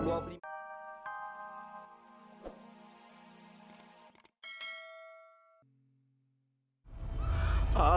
bukanlah juragan kaya